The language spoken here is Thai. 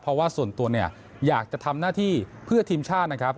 เพราะว่าส่วนตัวเนี่ยอยากจะทำหน้าที่เพื่อทีมชาตินะครับ